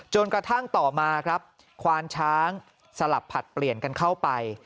จนกระทั่งต่อมาครับควานช้างสลับผลัดเปลี่ยนกันเข้าไป